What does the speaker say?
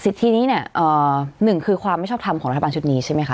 ที่นี้เนี่ยหนึ่งคือความไม่ชอบทำของรัฐบาลชุดนี้ใช่ไหมคะ